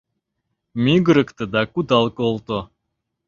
Мӱгырыктӧ да кудал колто.